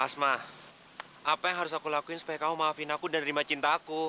asma apa yang harus aku lakuin supaya kamu maafin aku menerima cintaku